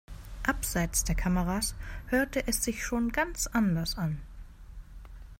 Abseits der Kameras hörte es sich schon ganz anders an.